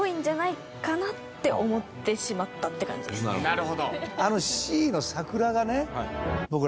なるほど。